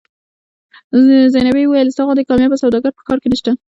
زینبې وویل ستا غوندې کاميابه سوداګر په ښار کې نشته.